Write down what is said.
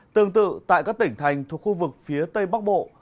tương tự tại các tỉnh thành thuộc khu vực phía tây bắc bộ